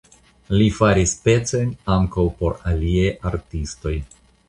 Li faris pecojn ankaŭ por aliaj artistoj.